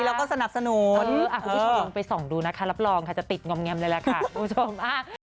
แต่คือเราก็พยายามที่จะรักษาให้มันแบบให้ดีที่สุด